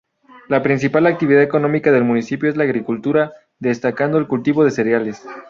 La principal actividad económica del municipio es la agricultura, destacando el cultivo de cereales.